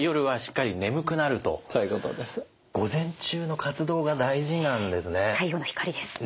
午前中の活動が大事なんですね。